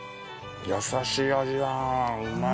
優しい味だなうまい。